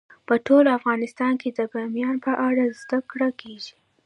په ټول افغانستان کې د بامیان په اړه زده کړه کېږي.